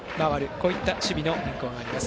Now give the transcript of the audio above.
こういった守備の変更があります